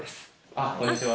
あこんにちは。